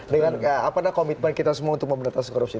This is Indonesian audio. dengan komitmen kita semua untuk memberantasan korupsi